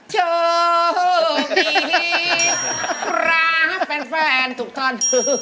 โชคดีรักแฟนทุกท่าน